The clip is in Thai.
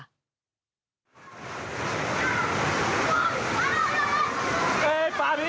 เฮ้ป่านี้